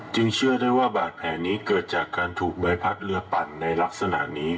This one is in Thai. เชื่อได้ว่าบาดแผลนี้เกิดจากการถูกใบพัดเรือปั่นในลักษณะนี้